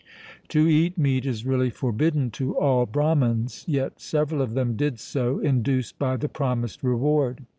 To eat meat is really forbidden to all Brahmans; yet several of them did so, induced by the promised reward.